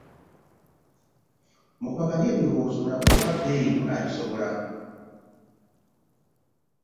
Mukubaganye ebirowoozo mulabe oba bbeeyi munaagisobila.